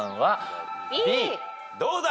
どうだ？